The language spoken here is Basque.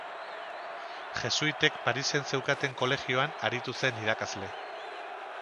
Jesuitek Parisen zeukaten kolegioan aritu zen irakasle.